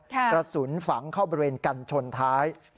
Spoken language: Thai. กระสุนฝังเข้าบริเวณกันชนท้าย